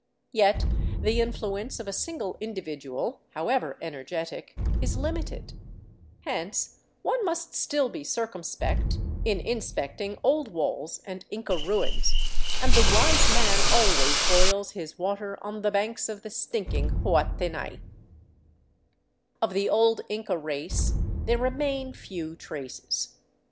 Yet the influence of a single individual, however energetic, is limited; hence one must still be circumspect in inspecting old walls and Inca ruins, and the wise man always boils his water on the banks of the stinking Huatenay, Of the old Inca race there remain few traces.